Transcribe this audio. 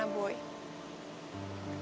karena boy aku balik lagi kesini